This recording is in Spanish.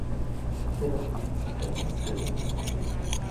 Pero era una actriz inexperta.